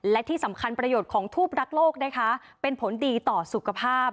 และที่สำคัญประโยชน์ของทูปรักโลกนะคะเป็นผลดีต่อสุขภาพ